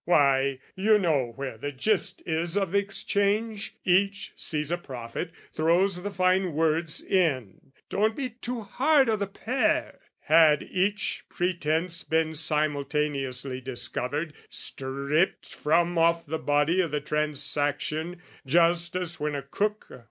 Why, you know where the gist is of the exchange: Each sees a profit, throws the fine words in. Don't be too hard o' the pair! Had each pretence Been simultaneously discovered, stripped From off the body o' the transaction, just As when a cook...